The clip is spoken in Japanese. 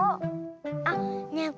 あっねえ